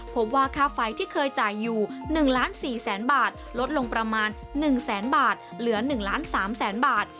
พบว่าค่าไฟที่เคยจ่ายอยู่๑๔๐๐๐๐๐บาทลดลงประมาณ๑๐๐๐๐๐บาทเหลือ๑๓๐๐๐๐๐บาท